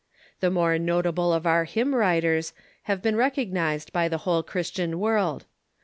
The more notable of our hymn writers have been recognized by the whole Christian world.